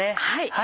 はい。